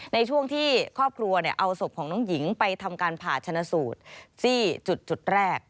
ในช่วงที่ครอบครัวเอาศพของน้องหญิงไปทำการผ่าชนะสูตรที่จุดแรก